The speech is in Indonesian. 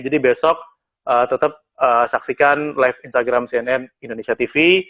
jadi besok tetap saksikan live instagram cnn indonesia tv